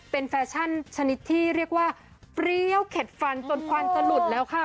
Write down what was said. เป็นแฟชั่นชนิดที่เรียกว่าเปรี้ยวเข็ดฟันจนควันจะหลุดแล้วค่ะ